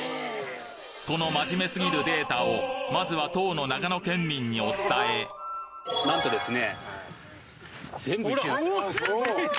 この真面目すぎるデータをまずは当の長野県民にお伝えなんとですね。